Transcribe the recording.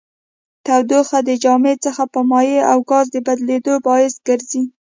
تودوخه د جامد څخه په مایع او ګاز د بدلیدو باعث ګرځي.